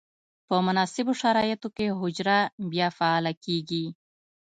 په مناسبو شرایطو کې حجره بیا فعاله کیږي.